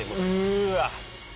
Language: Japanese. うわっ！